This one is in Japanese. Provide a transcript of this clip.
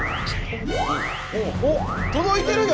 おっ届いてるよ。